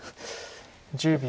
１０秒。